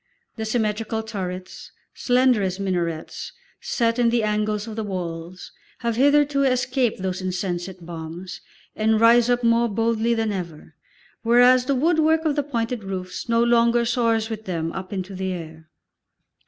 The symmetrical turrets, slender as minarets, set in the angles of the walls, have hitherto escaped those insensate bombs and rise up more boldly than ever, whereas the woodwork of the pointed roofs no longer soars with them up into the air.